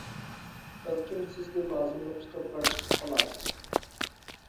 بەلكىم سىزگە لازىملىق كىتابلار چىقىپ قالار.